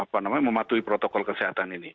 tidak mematuhi protokol kesehatan ini